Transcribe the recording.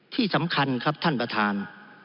ที่สำคัญครับท่านประธาน